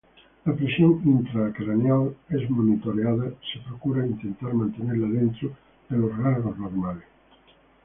La presión intracraneal es monitoreada se procura intentar mantenerla dentro de los rangos normales.